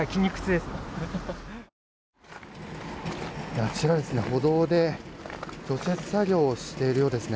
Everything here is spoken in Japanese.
あちら、歩道で除雪作業をしているようですね。